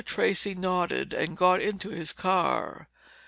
Tracey nodded and got into his car.